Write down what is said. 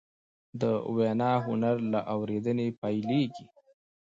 د وینا هنر له اورېدنې پیلېږي